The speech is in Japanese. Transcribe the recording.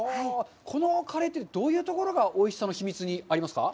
このカレーって、どういうところがおいしさの秘密にありますか。